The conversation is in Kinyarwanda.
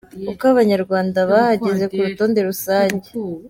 Uko Abanyarwanda bahagaze ku rutonde rusange.